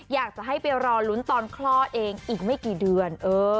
อยากจะให้ไปรอลุ้นตอนคลอดเองอีกไม่กี่เดือน